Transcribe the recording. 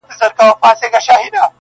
كه كېدل په پاچهي كي يې ظلمونه،